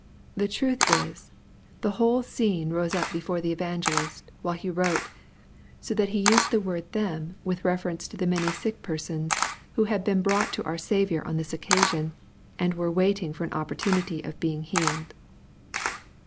The truth is, the whole scene rose up before the Evangelist, while he wrote, so that he used the word * them,' with reference to the many sick persons who had been brought to our Saviour on this occasion, and were waiting for an opportunity of being healed.'